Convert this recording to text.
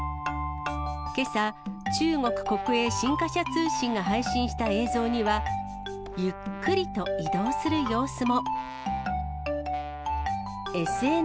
けさ、中国国営新華社通信が配信した映像には、ゆっくりと移動する様子も。